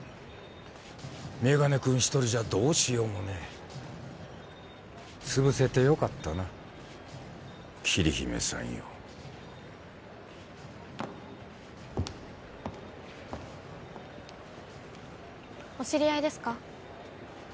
メガネ君一人じゃどうしようもねえ潰せてよかったな桐姫さんよお知り合いですか？